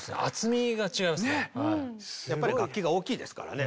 やっぱり楽器が大きいですからね